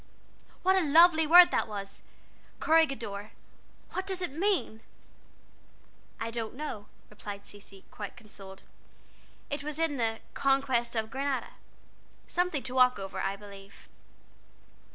What a lovely word that was . 'Corregidor' what does it mean?" "I don't know," replied Cecy, quite consoled. "It was in the 'Conquest of Granada.' Something to walk over, I believe."